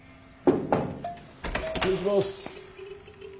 失礼します。